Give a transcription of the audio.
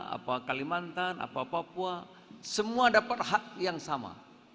apa kalimantan apa papua semua dapat hak yang sama